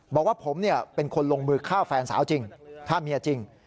บอกว่าผมเป็นคนลงมือฆ่าแฟนสาวจริงฆ่าเมียจริง